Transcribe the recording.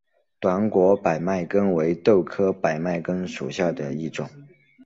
短果百脉根为豆科百脉根属下的一个种。